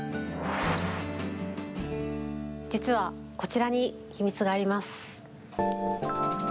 実はこちらに秘密があります。